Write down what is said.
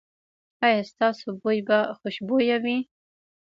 ایا ستاسو بوی به خوشبويه وي؟